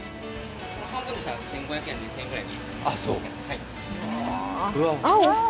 半分でしたら１５００円２０００円ぐらい。